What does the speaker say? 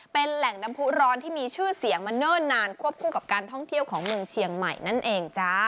เป็นแหล่งน้ำผู้ร้อนที่มีชื่อเสียงมาเนิ่นนานควบคู่กับการท่องเที่ยวของเมืองเชียงใหม่นั่นเองจ้า